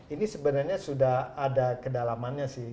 ini sebenarnya sudah ada kedalamannya sih